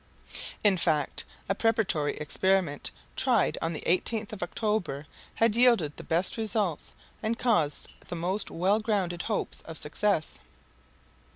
In fact, a preparatory experiment, tried on the 18th of October, had yielded the best results and caused the most well grounded hopes of success.